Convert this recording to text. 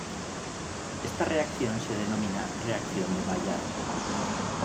Esta reacción se denomina Reacción de Maillard.